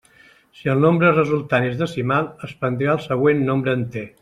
Si el nombre resultant és decimal, es prendrà el següent nombre enter.